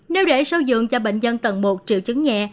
nếu để sâu giường cho bệnh nhân tầng một triệu chứng nhẹ